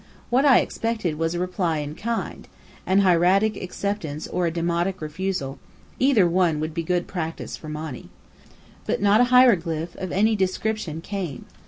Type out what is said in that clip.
What I expected was a reply in kind, an hieratic acceptance or a demotic refusal; either one would be good practice for Monny. But not a hieroglyph of any description came.